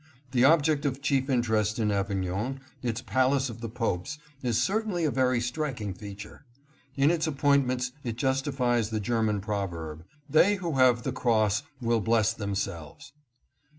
The object of chief interest in Avignon, its palace of the popes, is certainly a very striking feature. In its appointments it justifies the German proverb, " They who have the cross will bless themselves."